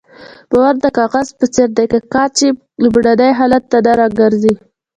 باور د کاغذ په څېر دی که قات شي لومړني حالت ته نه راګرځي.